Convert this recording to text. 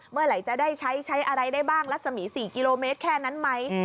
เมื่อไหร่จะได้ใช้ใช้อะไรได้บ้างรัศมี๔กิโลเมตรแค่นั้นไหม